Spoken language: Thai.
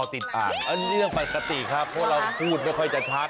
นี่เรื่องปกติครับแต่ว่าเราคุดไม่ค่อยจะชัด